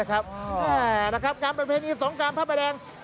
การประเพณีสงกรรมภาพแบบแดง